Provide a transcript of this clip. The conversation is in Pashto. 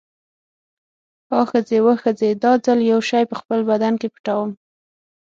آ ښځې، واه ښځې، دا ځل یو شی په خپل بدن کې پټوم.